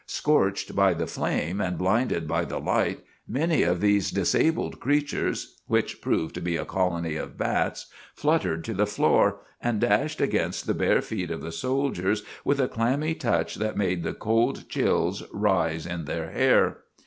Scorched by the flame and blinded by the light, many of these disabled creatures, which proved to be a colony of bats, fluttered to the floor, and dashed against the bare feet of the soldiers with a clammy touch that made the cold chills rise in their hair.